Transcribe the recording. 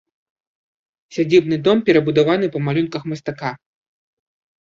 Сядзібны дом перабудаваны па малюнках мастака.